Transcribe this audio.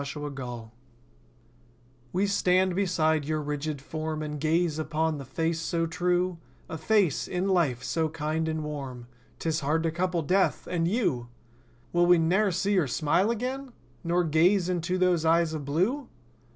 HUGHES We stand beside your rigid form And gaze upon the face so true; A face, in life, so kind and warm— 'Tis hard to couple Death—and you! Will we ne'er see your smile again? Nor gaze into those eyes of blue?